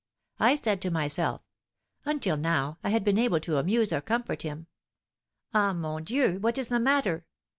I said to myself, 'Until now I had been able to amuse or comfort him ' Ah, mon Dieu! what is the matter?"